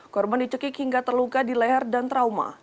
korban dicekik hingga terluka di leher dan trauma